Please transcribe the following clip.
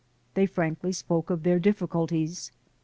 They frankly spoke of their diffi culties.